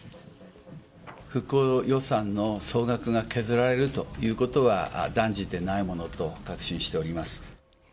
復興予算の総額が削られるということは断じてないものと確信しております。